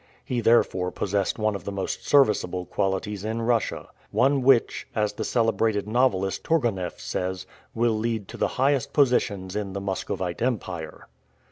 He therefore possessed one of the most serviceable qualities in Russia one which, as the celebrated novelist Tourgueneff says, "will lead to the highest positions in the Muscovite empire."